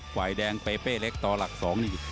ฝ่ายแดงเปเป้เล็กต่อหลัก๒นี่